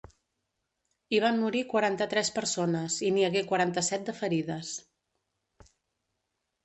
Hi van morir quaranta-tres persones i n’hi hagué quaranta-set de ferides.